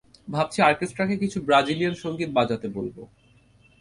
ভাবছি অর্কেস্ট্রাকে কিছু ব্রাজিলিয়ান সঙ্গীত বাজাতে বলব।